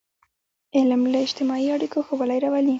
علم د اجتماعي اړیکو ښهوالی راولي.